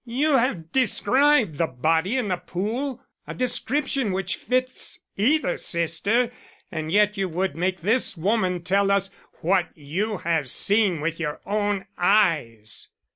"You have described the body in the pool a description which fits either sister, and yet you would make this woman tell us what you have seen with your own eyes."